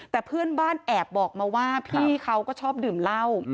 แต่เพื่อนบ้านแอบบอกมาว่าพี่เขาก็ชอบดื่มเหล้า